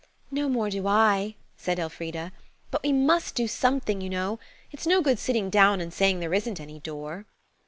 "No more do I," said Elfrida; "but we must do something, you know. It's no good sitting down and saying there isn't any door."